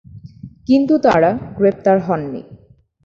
কিন্তু তাঁরা গ্রেপ্তার হন নি।